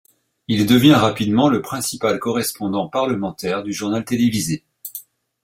Il devient rapidement le principal correspondant parlementaire du journal télévisé.